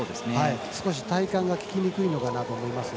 少し体幹がききにくいのかなと思います。